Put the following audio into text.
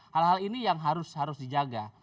hal hal ini yang harus dijaga